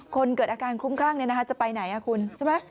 เกิดอาการคลุ้มคลั่งจะไปไหนคุณใช่ไหม